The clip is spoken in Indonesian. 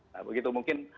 nah begitu mungkin